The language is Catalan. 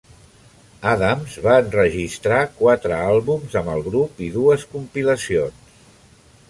Adams va enregistrar quatre àlbums amb el grup i dues compilacions.